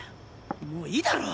もういいだろ！